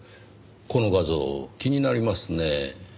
この画像気になりますねぇ。